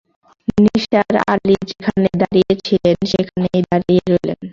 নিসার আলি যেখানে দাঁড়িয়ে ছিলেন, সেখানেই দাঁড়িয়ে রইলেন।